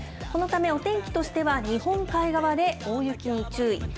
このためお天気としては、日本海側で大雪に注意。